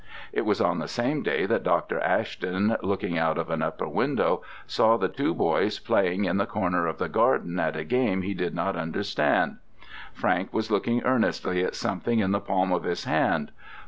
It was on the same day that Dr. Ashton, looking out of an upper window, saw the two boys playing in the corner of the garden at a game he did not understand. Frank was looking earnestly at something in the palm of his hand.